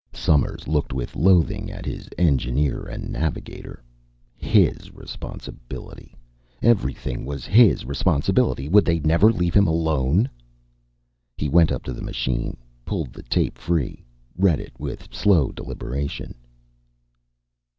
Somers looked with loathing at his engineer and navigator. His responsibility, everything was his responsibility. Would they never leave him alone? He went up to the machine, pulled the tape free, read it with slow deliberation.